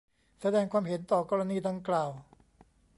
แสดงความเห็นต่อกรณีดังกล่าว